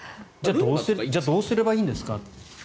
じゃあどうすればいいんですか。